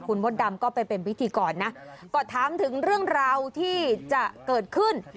คุณมดดำก็ไปเป็นพิธีกรนะก็ถามถึงเรื่องราวที่จะเกิดขึ้น